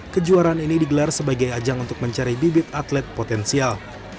kejuaraan ini digelar sebagai ajang untuk mencari bibit atlet potensial